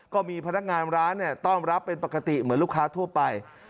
ก็มีพนักงานร้านต้อนรับเป็นปกติเหมือนลูกค้าทั่วไป